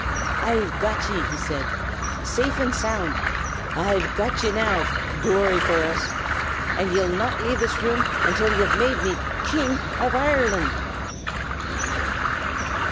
"I've got ye!" he said. "Safe and sound I've got ye now, glory for ut! And ye'll not lave this room until ye've made me King av Ireland!"